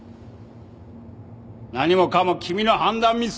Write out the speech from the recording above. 何もかも君の判断ミス！